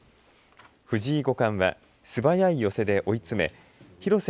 藤井五冠は素早い寄せで追い詰め広瀬